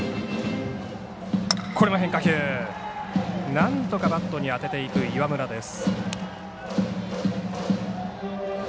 なんとかバットに当てていく岩村です。